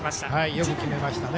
よく決めましたね。